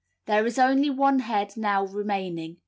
There is only one head now remaining."